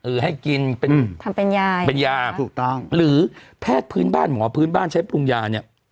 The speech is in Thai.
เออให้กินมีให้ทำเป็นยาหรือแพทย์พื้นบ้านหรือหมอพื้นบ้านใช้ปรุงยานี้